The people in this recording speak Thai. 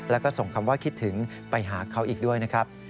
แล้วก็ส่งคำว่าคิดถึงไปหาเขาอีกด้วยนะครับ